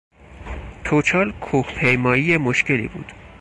توچال کوه پیمایی مشکلی بود.